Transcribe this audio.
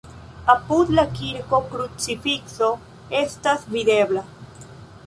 Apud la kirko krucifikso estas videbla.